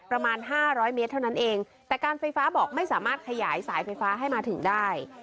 ประมาณห้าร้อยเมตรเท่านั้นเองแต่การไฟฟ้าบอกไม่สามารถขยายสายไฟฟ้าให้มาถึงได้